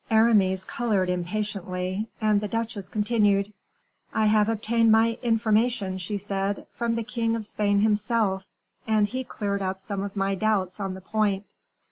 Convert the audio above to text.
Aramis colored impatiently, and the duchesse continued: "I have obtained my information," she said, "from the king of Spain himself; and he cleared up some of my doubts on the point.